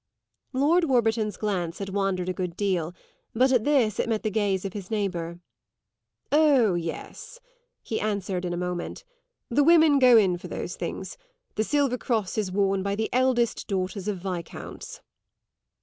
Lord Warburton's glance had wandered a good deal, but at this it met the gaze of his neighbour. "Oh yes," he answered in a moment; "the women go in for those things. The silver cross is worn by the eldest daughters of Viscounts."